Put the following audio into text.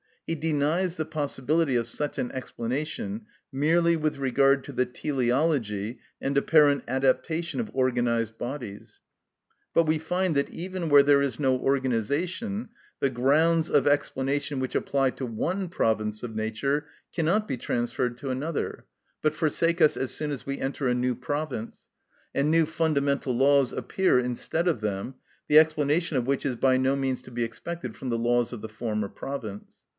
He denies the possibility of such an explanation merely with regard to the teleology and apparent adaptation of organised bodies. But we find that even where there is no organisation the grounds of explanation which apply to one province of nature cannot be transferred to another, but forsake us as soon as we enter a new province, and new fundamental laws appear instead of them, the explanation of which is by no means to be expected from the laws of the former province.